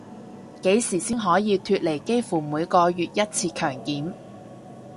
幾時先可以脫離幾乎每個月一次強檢